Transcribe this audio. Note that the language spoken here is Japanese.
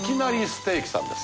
ステーキさんです。